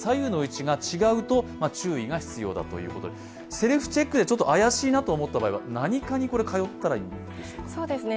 セルフチェックで怪しいなと思った場合は何科に通ったらいいんですか？